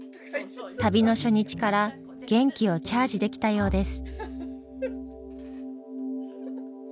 旅の初日から元気をチャージできたようです。